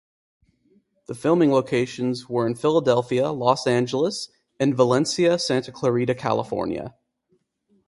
The filming locations were in Philadelphia, Los Angeles, and Valencia, Santa Clarita, California.